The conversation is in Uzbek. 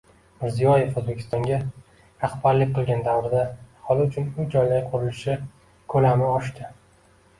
Mirziyoyev O‘zbekistonga rahbarlik qilgan davrda aholi uchun uy-joylar qurilishi ko‘lami oshdi.